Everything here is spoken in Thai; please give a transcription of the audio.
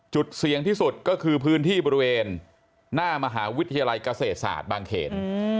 จุดเสี่ยงที่สุดก็คือพื้นที่บริเวณหน้ามหาวิทยาลัยเกษตรศาสตร์บางเขน